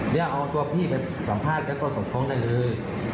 เนี่ยเอาตัวพี่ไปสัมภาษณ์กันก็สดครองได้เลย